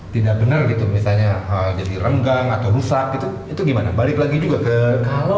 tidak benar gitu misalnya jadi renggang atau rusak gitu itu gimana balik lagi juga ke kalau